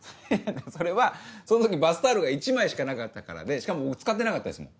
それはその時バスタオルが１枚しかなかったからでしかも使ってなかったですもん。